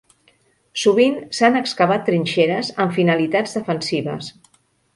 Sovint s'han excavat trinxeres amb finalitats defensives.